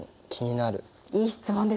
いい質問ですね。